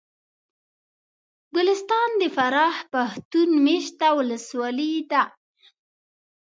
ګلستان د فراه پښتون مېشته ولسوالي ده